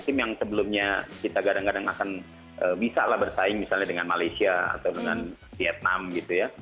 tim yang sebelumnya kita kadang kadang akan bisa lah bersaing misalnya dengan malaysia atau dengan vietnam gitu ya